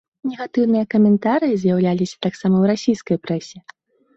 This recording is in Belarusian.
Негатыўныя каментарыі з'яўляліся таксама ў расійскай прэсе.